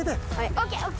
ＯＫＯＫ。